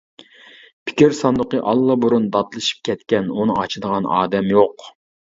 پىكىر ساندۇقى ئاللىبۇرۇن داتلىشىپ كەتكەن ئۇنى ئاچىدىغان ئادەم يوق.